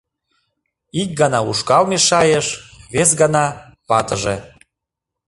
— Ик гана ушкал мешайыш, вес гана — ватыже...